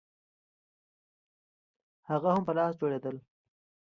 هغه هم په لاس جوړېدل